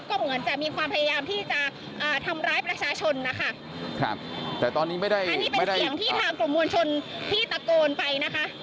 ก็เหมือนจะมีความพยายามที่จะอ่าทำร้ายประชาชนนะคะครับแต่ตอนนี้ไม่ได้อันนี้เป็นเสียงที่ทางกลุ่มมวลชนที่ตะโกนไปนะคะ